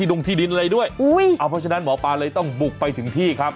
ดงที่ดินอะไรด้วยอุ้ยเอาเพราะฉะนั้นหมอปลาเลยต้องบุกไปถึงที่ครับ